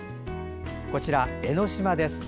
こちら江の島です。